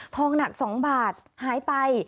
หนัก๒บาทหายไป